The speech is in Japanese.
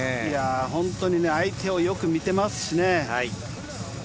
本当に相手をよく見ていますしね。